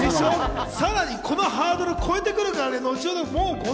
さらにこのハードルを越えてくるからね。